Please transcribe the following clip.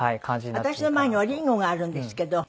私の前におりんごがあるんですけど。